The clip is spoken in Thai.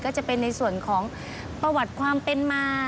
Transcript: ก็จะเป็นในส่วนของประวัติความเป็นมา